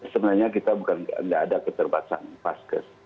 sebenarnya kita bukan tidak ada keterbatasan vaskes